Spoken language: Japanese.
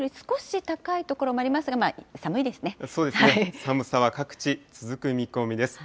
寒さは各地、続く見込みです。